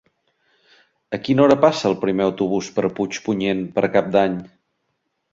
A quina hora passa el primer autobús per Puigpunyent per Cap d'Any?